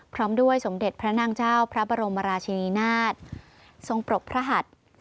พร้อมด้วยสมเด็จพระนางเจ้าพระบรมราชินีนาฏทรงปรกพระหัส